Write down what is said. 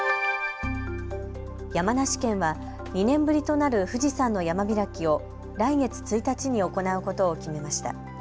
山梨県は２年ぶりとなる富士山の山開きを来月１日に行うことを決めました。